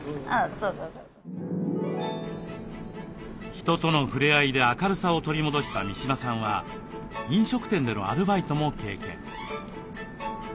人との触れ合いで明るさを取り戻した三嶋さんは飲食店でのアルバイトも経験。